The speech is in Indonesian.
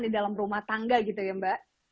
di dalam rumah tangga gitu ya mbak